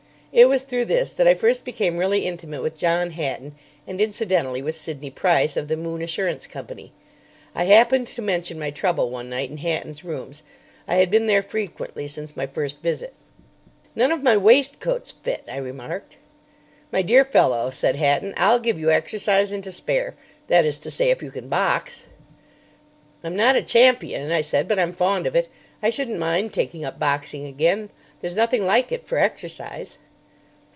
It was through this that I first became really intimate with John Hatton, and incidentally with Sidney Price, of the Moon Assurance Company. I happened to mention my trouble one night in Hatton's rooms. I had been there frequently since my first visit. "None of my waistcoats fit," I remarked. "My dear fellow," said Hatton, "I'll give you exercise and to spare; that is to say, if you can box." "I'm not a champion," I said; "but I'm fond of it. I shouldn't mind taking up boxing again. There's nothing like it for exercise."